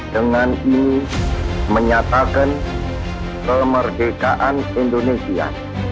dengan ini menyatakan kemerdekaan indonesia